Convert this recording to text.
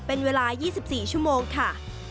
เป็นเวลา๒๔ชั่วโมงค่ะ